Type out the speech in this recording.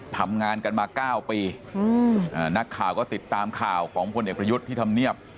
ทำงานกันมา๙ปีนักข่าวก็ติดตามข่าวของพลเอกประยุทธ์ที่ทำเนียบ